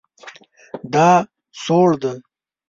دا سوړ ده